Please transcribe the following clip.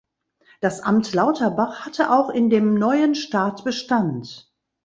Das "Amt Lauterbach" hatte auch in dem neuen Staat Bestand.